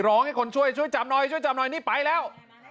ร้องให้คนช่วยช่วยจับหน่อยช่วยจับหน่อยนี่ไปแล้ว